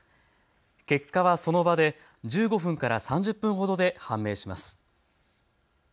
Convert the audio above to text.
結果はその場で１５分から３０分ほどで判明します。